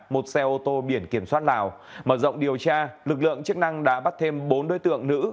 một xe ô tô biển kiểm soát lào mở rộng điều tra lực lượng chức năng đã bắt thêm bốn đối tượng nữ